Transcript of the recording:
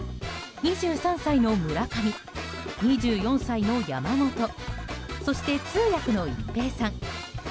２３歳の村上、２４歳の山本そして、通訳の一平さん。